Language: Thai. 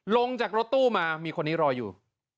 ลงจากรถตู้มามีคนนี้รออยู่